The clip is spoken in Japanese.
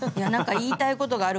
言いたいことがある？